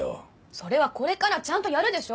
それはこれからちゃんとやるでしょ。